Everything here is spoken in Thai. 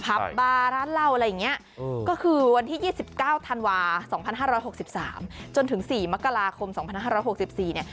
บาร์ร้านเหล้าอะไรอย่างนี้ก็คือวันที่๒๙ธันวา๒๕๖๓จนถึง๔มกราคม๒๕๖๔เนี่ย